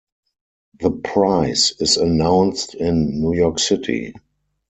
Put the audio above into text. The prize is announced in New York City.